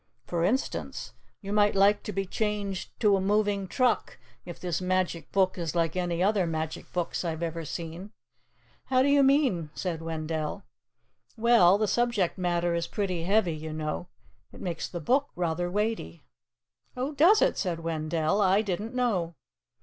For instance, you might like to be changed to a moving truck, if this magic book is like any other magic books I've ever seen." "How do you mean?" said Wendell. "Well, the subject matter is pretty heavy, you know. It makes the book rather weighty." "Oh, does it?" said Wendell. "I didn't know."